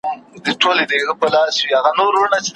هر څېړونکي ته باید د کار کولو سمه زمینه برابره سي.